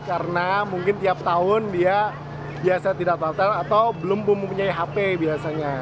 karena mungkin tiap tahun dia biasa tidak daftar atau belum mempunyai hp biasanya